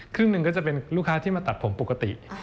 ครึ่งหนึ่งก็จะเป็นลูกค้าที่มาตัดผมปกติ